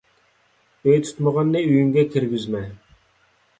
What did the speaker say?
ئۆي تۇتمىغاننى ئۆيۈڭگە كىرگۈزمە